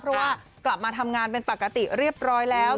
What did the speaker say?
เพราะว่ากลับมาทำงานเป็นปกติเรียบร้อยแล้ว